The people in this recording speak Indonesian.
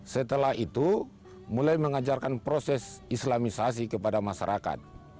setelah itu mulai mengajarkan proses islamisasi kepada masyarakat